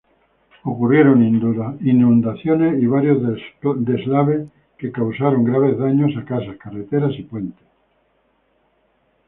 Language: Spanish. Ocurrieron inundaciones y varios deslaves que causaron graves daños a casas, carreteras, y puentes.